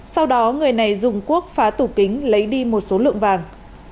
sau đó người này dùng quốc phá tủ kính lấy đi một số lượng vàng